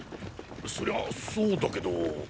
そりゃそうだけど。